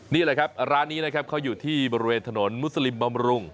นี่แหละครับร้านนี้นะครับเขาอยู่ที่บริเวณถนนมุสลิมบำรุง